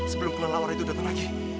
sebelum kena lawar itu datang lagi